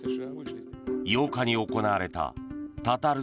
８日に行われたタタル